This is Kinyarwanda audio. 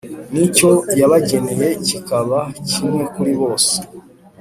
n’icyo yabageneye kikaba kimwe kuri bose;